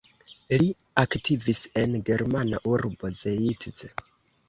Li aktivis en germana urbo Zeitz.